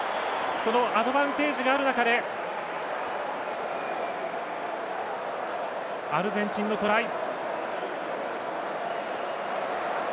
そのアドバンテージがある中でアルゼンチンのトライ。